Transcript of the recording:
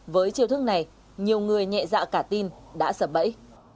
với chiêu thức này nhiều người nhẹ dạ cả tin đã sập bẫy